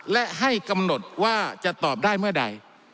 และให้กำหนดว่าจะตอบได้เมื่อใด